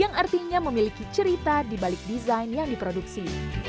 yang artinya memiliki cerita di balik desain yang diproduksi